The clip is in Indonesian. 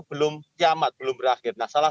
belum kiamat belum berakhir nah salah